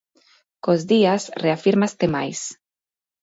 Cos días reafírmaste máis.